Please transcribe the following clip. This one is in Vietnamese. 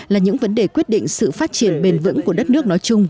là những vấn đề quyết định sự phát triển bền vững của đất nước nói chung